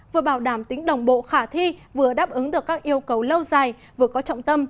vừa bảo đảm tính đồng bộ khả thi vừa đáp ứng được các yêu cầu lâu dài vừa có trọng tâm